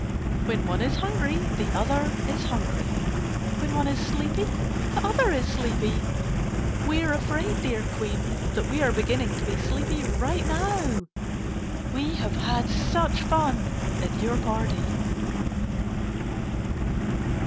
When one is hungry, the other is hungry. When one is sleepy, the other is sleepy. We are afraid, dear Queen, that we are beginning to be sleepy right now. We have had such fun at your party!